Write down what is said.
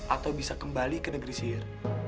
atau bisa kembali ke negeri sihir